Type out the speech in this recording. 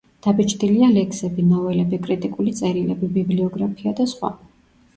დაბეჭდილია ლექსები, ნოველები, კრიტიკული წერილები, ბიბლიოგრაფია და სხვა.